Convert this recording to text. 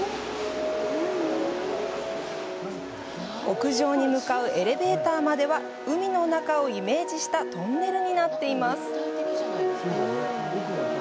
屋上に向かうエレベーターまでは海の中をイメージしたトンネルになっています。